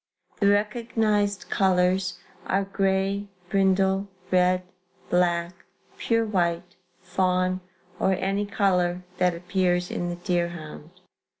The recognized colors are gray, brindle, red, black, pure white, fawn or any color that appears in the deerhound."